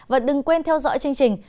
và đừng quên theo dõi chương trình